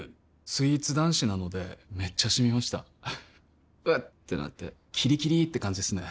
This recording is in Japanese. スイーツ男子なのでめっちゃシミました「うっ」ってなってキリキリって感じですね